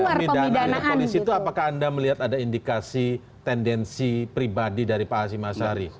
sampai pimpinan anggota polisi itu apakah anda melihat ada indikasi tendensi pribadi dari pak azimahsari